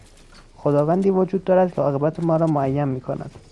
خداوندی وجود دارد که عاقبت ما را معین میکند.